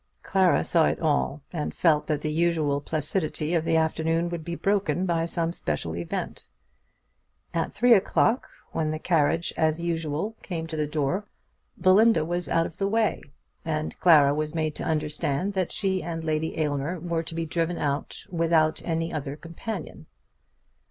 Clara saw it all, and felt that the usual placidity of the afternoon would be broken by some special event. At three o'clock, when the carriage as usual came to the door, Belinda was out of the way, and Clara was made to understand that she and Lady Aylmer were to be driven out without any other companion.